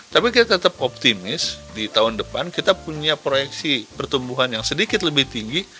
tapi kita tetap optimis di tahun depan kita punya proyeksi pertumbuhan yang sedikit lebih tinggi